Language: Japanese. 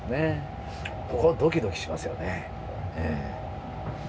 これはドキドキしますよねええ。